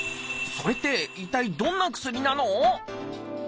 それって一体どんな薬なの？